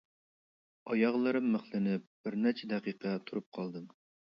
ئاياغلىرىم مىخلىنىپ بىر نەچچە دەقىقە تۇرۇپ قالدىم.